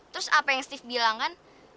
terus apa yang steve bilang kan